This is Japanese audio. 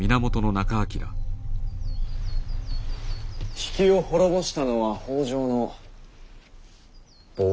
比企を滅ぼしたのは北条の謀略。